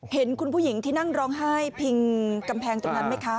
เห็นคุณผู้หญิงที่นั่งร้องไห้พิงกำแพงตรงนั้นไหมคะ